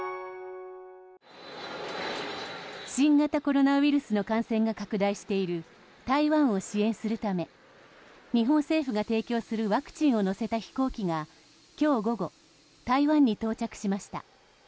新型コロナウイルスの感染が拡大している台湾を支援するため日本政府が提供するワクチンを載せた飛行機が今日午後台湾に到着しました。